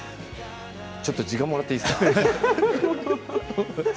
ちょっと時間もらっていいですか？